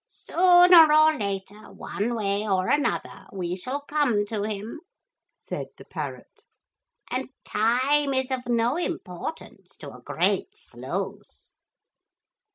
'Sooner or later, one way or another, we shall come to him,' said the parrot; 'and time is of no importance to a Great Sloth.'